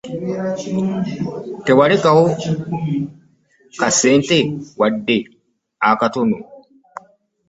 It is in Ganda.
Tewalekawo kasente wadde akatono.